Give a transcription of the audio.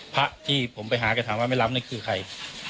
พระที่ผมไปหาก็ถามว่าแม่ล้ำนั้นคือใคร